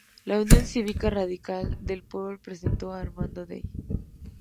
La Unión Cívica Radical del Pueblo presentó a Armando Day.